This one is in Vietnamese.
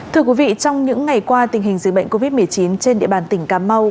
thưa quý vị trong những ngày qua tình hình dịch bệnh covid một mươi chín trên địa bàn tỉnh cà mau